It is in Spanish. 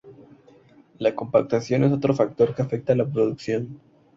La compactación es otro factor que afecta a la producción.